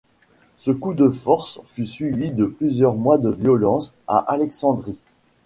Ce coup de force fut suivi de plusieurs mois de violence à Alexandrie.